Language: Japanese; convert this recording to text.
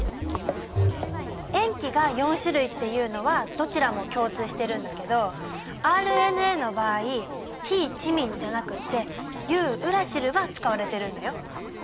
塩基が４種類っていうのはどちらも共通してるんだけどＲＮＡの場合「Ｔ・チミン」じゃなくって「Ｕ・ウラシル」が使われてるんだよ！